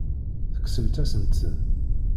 Tekksemt-asen-ten.